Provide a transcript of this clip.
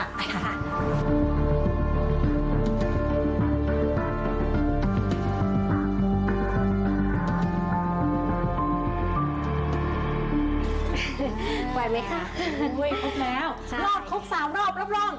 ไหวไหมค่ะอันด้วยครบแล้วใช่ค่ะรอบครบสามรอบรับรอง